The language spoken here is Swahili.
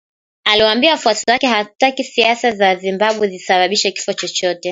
Aliwaambia wafuasi wake hataki siaza za Zimbabwe zisababishe kifo chochote